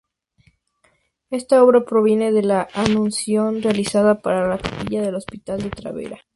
Esta obra proviene de "La anunciación", realizada para la capilla del Hospital de Tavera.